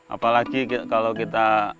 apalagi kalau kita